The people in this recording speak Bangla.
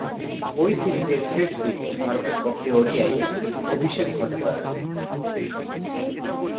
ঐ সিরিজের শেষদিকে ভারতের পক্ষে ওডিআইয়ে অভিষেক ঘটে তার।